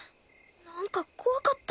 なんか怖かった。